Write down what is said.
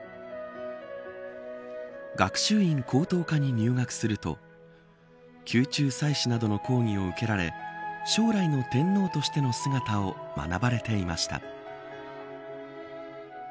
学習院高等科に入学すると宮中祭祀などの講義を受けられ将来の天皇としての姿を学ばれていました。